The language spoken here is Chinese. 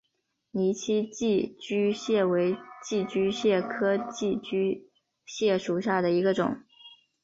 泥栖寄居蟹为寄居蟹科寄居蟹属下的一个种。